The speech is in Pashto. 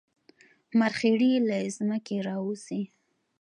مرخیړي له ځمکې راوځي